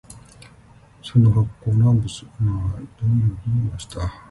主人は娘のグラムダルクリッチを自分の後に乗せました。私は箱に入れられ、その箱は娘の腰に結びつけてありました。